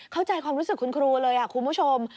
เข้าใจความรู้สึกคุณครูเลยคุณผู้ชม